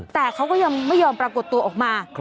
แต่เขาก็ยังไม่ยอมปรากฏตัวออกมา